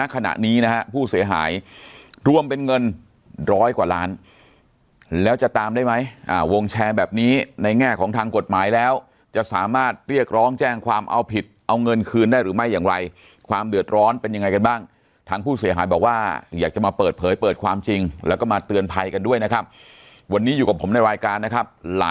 ขณะนี้นะฮะผู้เสียหายรวมเป็นเงินร้อยกว่าล้านแล้วจะตามได้ไหมวงแชร์แบบนี้ในแง่ของทางกฎหมายแล้วจะสามารถเรียกร้องแจ้งความเอาผิดเอาเงินคืนได้หรือไม่อย่างไรความเดือดร้อนเป็นยังไงกันบ้างทางผู้เสียหายบอกว่าอยากจะมาเปิดเผยเปิดความจริงแล้วก็มาเตือนภัยกันด้วยนะครับวันนี้อยู่กับผมในรายการนะครับห